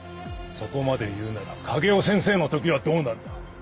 そこまで言うなら影尾先生の時はどうなんだ？